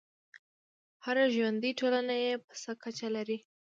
هره ژوندی ټولنه یې په څه کچه لري.